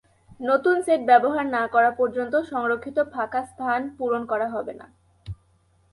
নতুন সেট ব্যবহার না করা পর্যন্ত সংরক্ষিত ফাঁকা স্থান পূরণ করা হবে না।